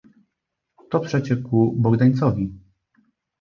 "To przecie ku Bogdańcowi."